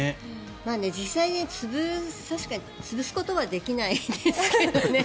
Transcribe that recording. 実際潰すことはできないですけどね。